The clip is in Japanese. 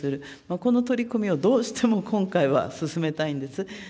この取り組みを、どうしても今回は進めたいんです。